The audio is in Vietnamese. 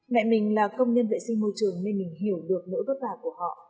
mẹ mình là công nhân vệ sinh môi trường nên mình hiểu được nỗi vất vả của họ